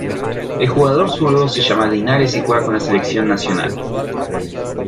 El jugador zurdo se llama Linares y juega con la selección nacional.